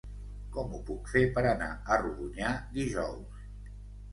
Com ho puc fer per anar a Rodonyà dijous?